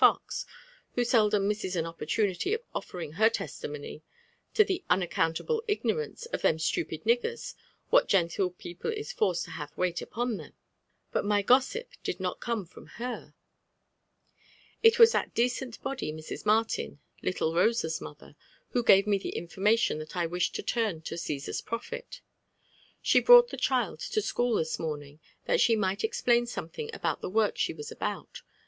Foi, who seldom misaea an oppottimity of ofSenriog her testiaaotty to the ' unaccountable ignorance of them stupid niggat s what genteel people ia forced to have wait npoa 'em/ Bui my gossip* did net come from her : it was that decent body Mra. liartMi, Httle Rosa's molher, who gave me the information that I wish to torn to Geesar's profit. She brought the child to school this moraiiig, that she might explain something about the work she was about